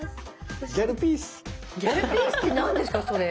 ギャルピースって何ですかそれ？